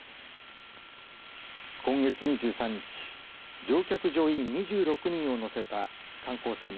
今月２３日乗客・乗員２６人を乗せた観光船